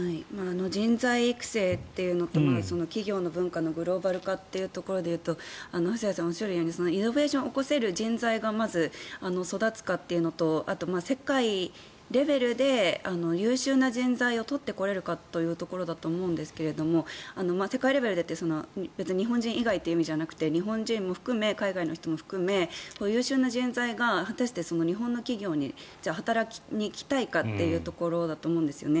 人材育成というのと企業の文化のグローバル化というところでいうと細谷さんがおっしゃるようにイノベーションを起こせる人材がまず育つかというのとあと、世界レベルで優秀な人材を採ってこれるかというところだと思うんですが世界レベルでって、別に日本人以外という意味じゃなく日本人も含め、海外の人も含め優秀な人材が果たして日本の企業に働きに来たいかということだと思うんですね。